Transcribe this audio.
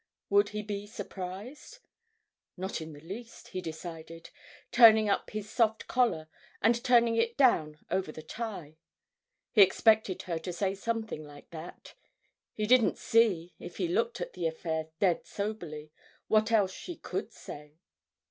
would he be surprised? Not in the least, he decided, turning up his soft collar and turning it down over the tie. He expected her to say something like that. He didn't see, if he looked at the affair dead soberly, what else she could say.